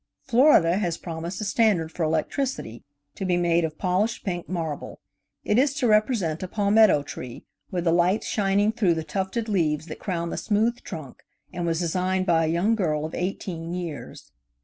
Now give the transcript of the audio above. Florida has promised a standard for electricity, to be made of polished pink marble. It is to represent a palmetto tree, with the lights shining through the tufted leaves that crown the smooth trunk, and was designed by a young girl of eighteen years.